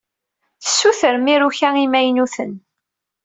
Tessutremt iruka imaynuten.